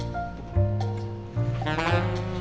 tapi nomenin sebentar boleh